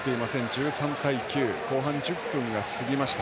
１３対９後半１０分が過ぎました。